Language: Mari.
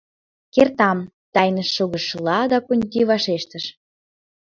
— Кертам, — тайнышт шогышыжла Дакунти вашештыш.